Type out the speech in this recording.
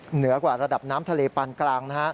เหนือกว่าระดับน้ำทะเลปานกลางนะฮะ